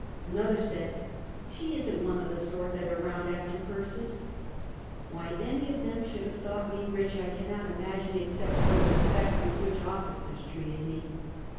Another said: " She is n't one of the sort that are 'round after purses !" Why any of them should have thought me rich I cannot imagine except for the respect with which]offi cers treated me.